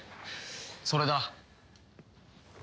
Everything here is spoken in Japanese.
それだ。